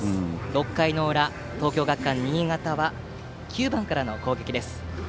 ６回の裏、東京学館新潟は９番からの攻撃です。